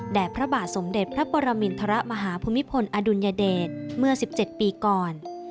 พระบาทสมเด็จพระปรมินทรมาฮภูมิพลอดุลยเดชเมื่อ๑๗ปีก่อน